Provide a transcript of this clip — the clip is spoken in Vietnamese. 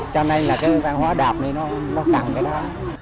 cho nên là cái văn hóa đạp này nó cần cái đó